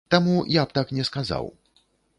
Таму я б так не сказаў.